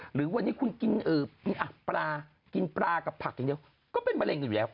หรือวันนี้คุณกินมีปลากินปลากับผักอย่างเดียวก็เป็นมะเร็งกันอยู่แล้ว